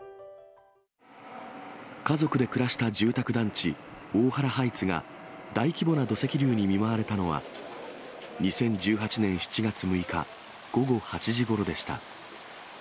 家族で暮らした住宅団地、大原ハイツが大規模な土石流に見舞われたのは、２０１８年７月６日午後８時ごろでした。